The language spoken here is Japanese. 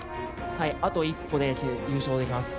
あと一歩で優勝できます。